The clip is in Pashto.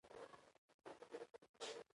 پلانګذاري د اهدافو د تعریف پروسه ده.